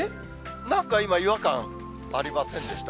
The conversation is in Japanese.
なんか今、違和感ありませんでした？